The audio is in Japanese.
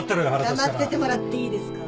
黙っててもらっていいですか。